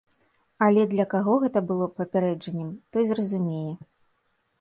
Але для каго гэта было папярэджаннем, той зразумее.